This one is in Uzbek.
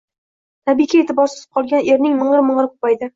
Tabiiyki, e`tiborsiz qolgan erning ming`ir-ming`iri ko`paydi